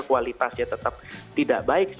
kualitasnya tetap tidak baik